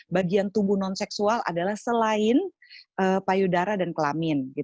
bagian tubuh non seksual adalah selain payudara dan kelamin